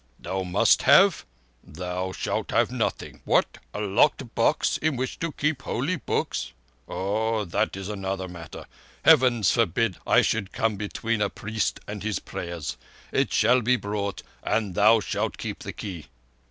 "Thou must have? Thou shalt have nothing. What? A locked box in which to keep holy books? Oh, that is another matter. Heavens forbid I should come between a priest and his prayers! It shall be brought, and thou shalt keep the key."